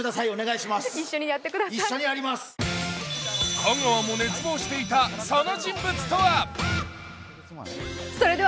香川も熱望していたその人物とは？